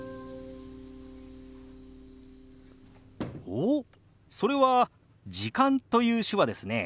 おっそれは「時間」という手話ですね。